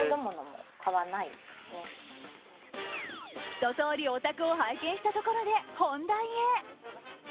ひと通り、お宅を拝見したところで本題へ。